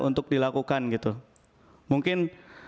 untuk dilakukan gitu mungkin